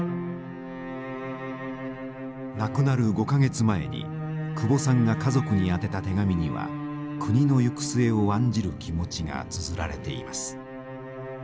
亡くなる５か月前に久保さんが家族に宛てた手紙には国の行く末を案じる気持ちがつづられています。